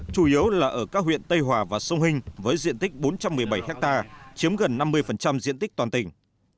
chủ yếu là ở các huyện tây hòa và sông hình với diện tích bốn trăm một mươi bảy hectare chiếm gần năm mươi diện tích toàn tỉnh